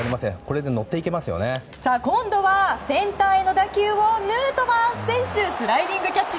今度はセンターへの打球をヌートバー選手スライディングキャッチ。